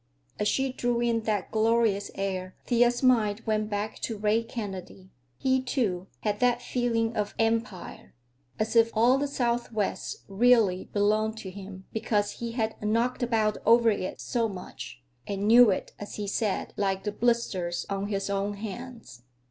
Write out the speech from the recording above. As she drew in that glorious air Thea's mind went back to Ray Kennedy. He, too, had that feeling of empire; as if all the Southwest really belonged to him because he had knocked about over it so much, and knew it, as he said, "like the blisters on his own hands."